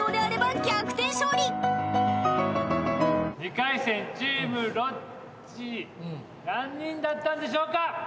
２回戦チームロッチ何人だったんでしょうか？